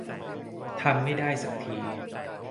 ทำไม่ได้สักที